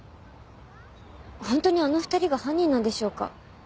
本当にあの２人が犯人なんでしょうか？